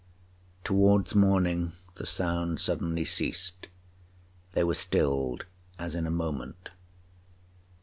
Towards morning the sounds suddenly ceased—they were stilled as in a moment.